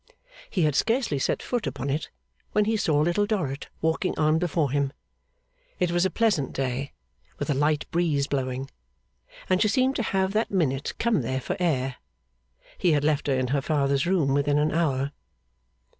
He had scarcely set foot upon it, when he saw Little Dorrit walking on before him. It was a pleasant day, with a light breeze blowing, and she seemed to have that minute come there for air. He had left her in her father's room within an hour.